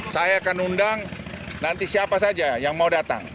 saya akan undang nanti siapa saja yang mau datang